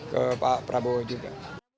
ke pak prabowo juga